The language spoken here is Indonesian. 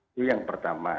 itu yang pertama